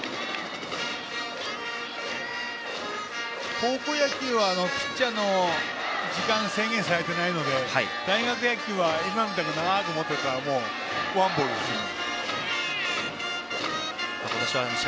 高校野球はピッチャーの時間が制限されていないので大学野球は長く持っていたらワンボールですね。